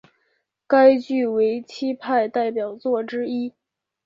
该剧为戚派代表作之一。